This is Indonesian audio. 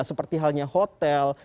seperti halnya hotel